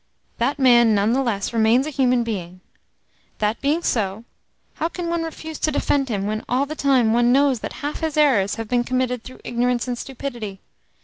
That man none the less remains a human being. That being so, how can one refuse to defend him when all the time one knows that half his errors have been committed through ignorance and stupidity?